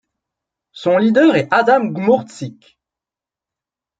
Son leader est Adam Gmurczyk.